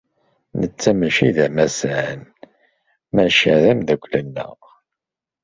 Netta maci d amassan, maca d ameddakel-nneɣ.